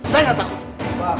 saya gak takut